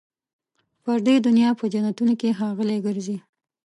پر دې دنیا په جنتونو کي ښاغلي ګرځي